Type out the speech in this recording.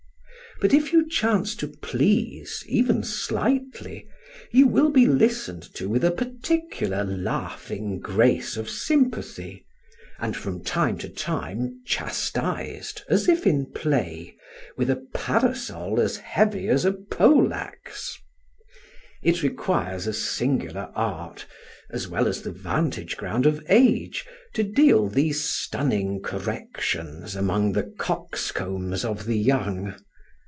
But if you chance to please even slightly, you will be listened to with a particular laughing grace of sympathy, and from time to time chastised, as if in play, with a parasol as heavy as a pole axe. It requires a singular art, as well as the vantage ground of age, to deal these stunning corrections among the coxcombs of the young.